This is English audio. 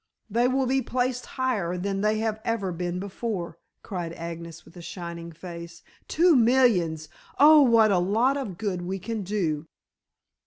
"They will be placed higher than they have ever been before," cried Agnes with a shining face. "Two millions. Oh, what a lot of good we can do."